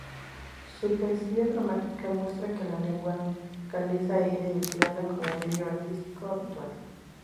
Su poesía dramática muestra que la lengua galesa era empleada como medio artístico habitual.